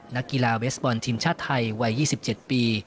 นักกีฬาเวสบอลทีมชาติไทยวัย๒๗ปี